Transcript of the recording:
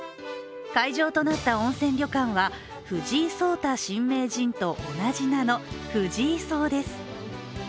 会場となった温泉旅館は、藤井聡太新名人と同じ名の、藤井荘です。